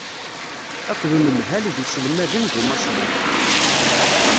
Akked unemhal d yiselmaden d umaswaḍ.